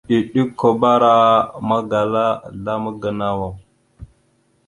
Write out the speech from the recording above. Eɗʉkabara magala azlam a gənow a.